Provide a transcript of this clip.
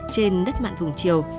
trên đất mạn vùng triều